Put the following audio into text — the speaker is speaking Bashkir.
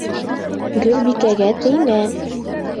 Гөлбикәгә теймә!